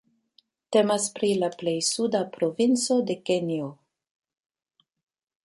Temas pri la plej suda provinco de Kenjo.